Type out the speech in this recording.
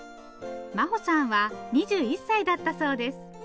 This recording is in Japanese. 茉穂さんは２１歳だったそうです。